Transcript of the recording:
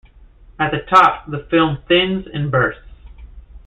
At the top, the film thins and bursts.